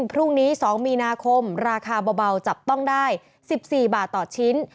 พรุ่งนี้๒มีนาคมราคาเบาจับต้องได้๑๔บาทต่อชิ้น